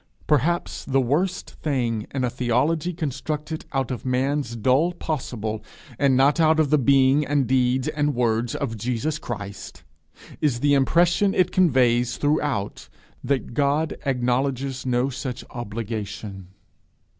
Perhaps the worst thing in a theology constructed out of man's dull possible, and not out of the being and deeds and words of Jesus Christ, is the impression it conveys throughout that God acknowledges no such obligation.